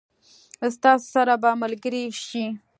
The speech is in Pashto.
ستاسو سره به ملګري شي.